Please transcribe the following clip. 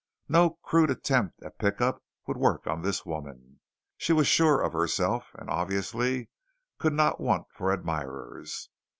No crude attempt at pick up would work on this woman. She was sure of herself and obviously could not want for admirers.